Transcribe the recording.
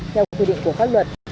theo quy định của pháp luật